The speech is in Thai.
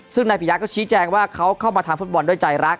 ซึ่งนายปียะก็ชี้แจงว่าเขาเข้ามาทำฟุตบอลด้วยใจรัก